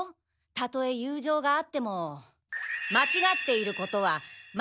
たとえ友情があってもまちがっていることはまちがいだと言うべきだ。